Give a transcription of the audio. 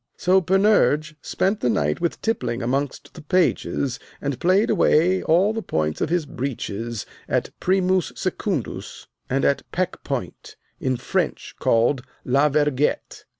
So Panurge spent the night with tippling amongst the pages, and played away all the points of his breeches at primus secundus and at peck point, in French called La Vergette.